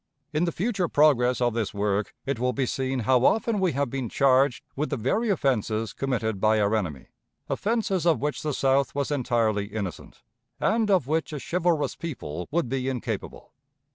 In the future progress of this work it will be seen how often we have been charged with the very offenses committed by our enemy offenses of which the South was entirely innocent, and of which a chivalrous people would be incapable.